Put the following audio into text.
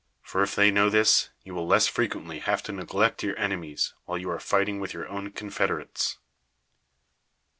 For if they know this, you will less freuently have to neglect your enemies, while you are fighting with your own confederates.